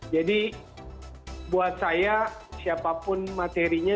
buat saya siapapun materinya